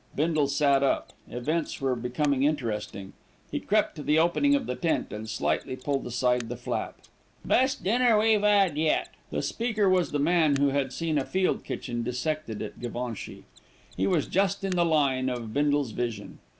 Bindle sat up. Events were becoming interesting. He crept to the opening of the tent and slightly pulled aside the flap. "Best dinner we've 'ad yet." The speaker was the man who had seen a field kitchen dissected at Givenchy. He was just in the line of Bindle's vision.